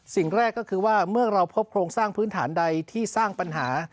สิ่งแรกก็คือว่าเมื่อเราพบโครงสร้างพื้นฐานใดที่สร้างปัญหา